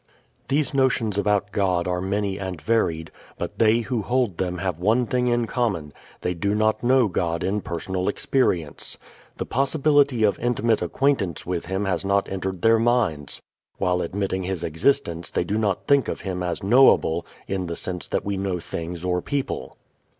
These notions about God are many and varied, but they who hold them have one thing in common: they do not know God in personal experience. The possibility of intimate acquaintance with Him has not entered their minds. While admitting His existence they do not think of Him as knowable in the sense that we know things or people.